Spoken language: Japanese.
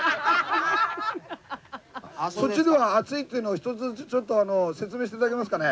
そっちでは暑いっていうのを一つずつちょっと説明して頂けますかね？